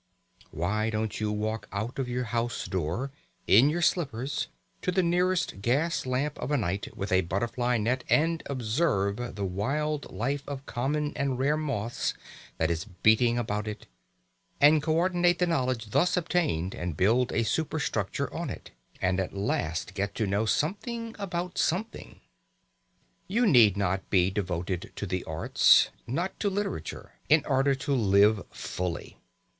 Why don't you walk out of your house door, in your slippers, to the nearest gas lamp of a night with a butterfly net, and observe the wild life of common and rare moths that is beating about it, and co ordinate the knowledge thus obtained and build a superstructure on it, and at last get to know something about something? You need not be devoted to the arts, not to literature, in order to live fully.